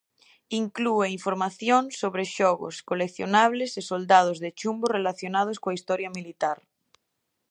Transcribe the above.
Inclúe información sobre xogos, coleccionables e soldados de chumbo relacionados coa historia militar.